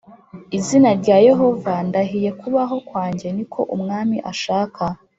Izina rya yehova ndahiye kubaho kwanjye ni ko umwami ashaka